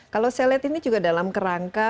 kalau saya lihat ini juga dalam kerangka